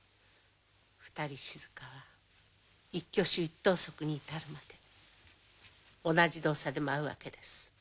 『二人静』は一挙手一投足に至るまで同じ動作で舞うわけです。